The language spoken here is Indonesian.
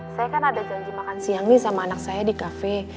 saya kan ada janji makan siang nih sama anak saya di kafe